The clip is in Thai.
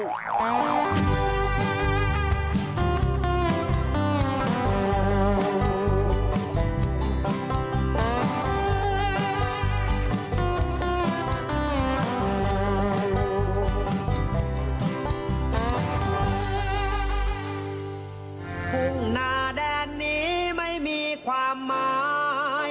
ท่านพลักขันไทยแล้วเศร้า